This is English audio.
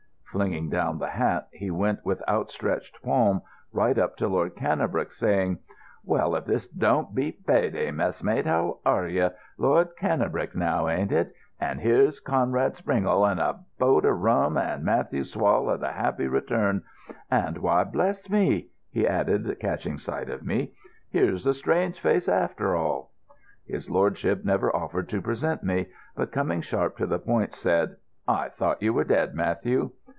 Flinging down the hat, he went with outstretched palm right up to Lord Cannebrake, saying: "Well, if this don't beat pay day. Messmate, how are ye? Lord Cannebrake now, ain't it? And here's Conrad Springle and a bottle of rum and Matthew Swall of the Happy Return, and—why, bless me," he added, catching sight of me, "here's a strange face after all." His lordship never offered to present me, but, coming sharp to the point, said: "I thought you were dead, Matthew."